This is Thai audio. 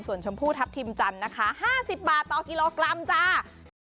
ส่วนชมพูทัพทิมจันทร์นะคะ๕๐บาทต่อกิโลกรัมจ้า